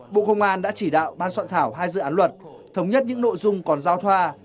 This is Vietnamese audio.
bộ công an đã chỉ đạo ban soạn thảo hai dự án luật thống nhất những nội dung còn giao thoa